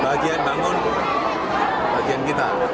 bahagian bangun bagian kita